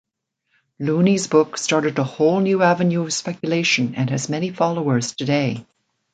Looney's book started a whole new avenue of speculation and has many followers today.